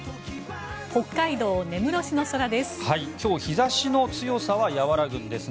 北海道根室市の空です。